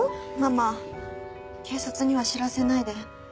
ママ警察には知らせないで。